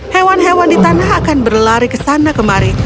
hewan hewan di tanah akan berlari ke sana kemari